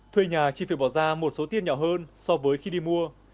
thuê nhà chỉ phải bỏ ra một số tiền nhỏ hơn so với khi đi mua